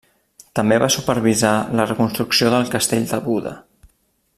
També va supervisar la reconstrucció del Castell de Buda.